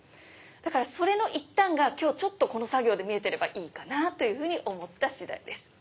だからそれの一端が今日ちょっとこの作業で見えてればいいかなというふうに思った次第です。